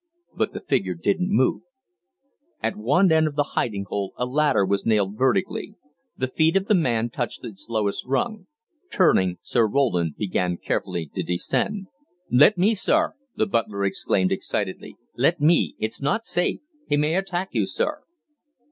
But the figure didn't move. At one end of the hiding hole a ladder was nailed vertically. The feet of the man touched its lowest rung. Turning, Sir Roland began carefully to descend. "Let me, sir!" the butler exclaimed excitedly, "let me it's not safe he may attack you, sir!"